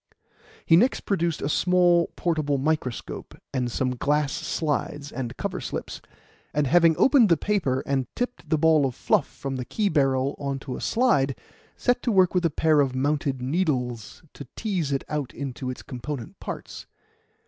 He next produced a small, portable microscope and some glass slides and cover slips, and having opened the paper and tipped the ball of fluff from the key barrel on to a slide, set to work with a pair of mounted needles to tease it out into its component parts.